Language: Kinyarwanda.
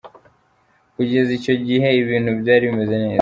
Kugeza icyo gihe ibintu byari bimeze neza.